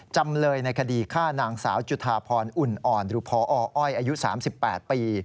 จำเลยในคดีฆ่านางสาวจุธาพรอุ่นอ่อนหรือพออ้อยอายุ๓๘ปี